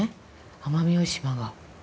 奄美大島が。